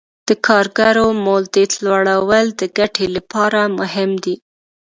د کارګرو مولدیت لوړول د ګټې لپاره مهم دي.